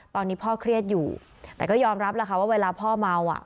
ตอนนี้พ่อเครียดอยู่แต่ก็ยอมรับแล้วค่ะว่าเวลาพ่อเมาอ่ะ